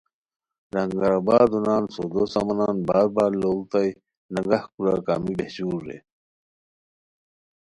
لنگر آبادو نان سودو سامانن باربار لوڑیتائے نگہ کورا کمی بہچور رے